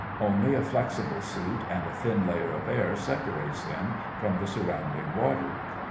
Only a flexible suit and a thin layer of air separates him from the surrounding water.